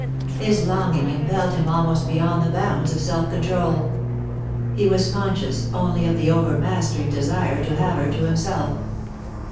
His longing Impelled him almost beyond the bounds of self control. He was conscious only of the overmastering desire to have her to himself.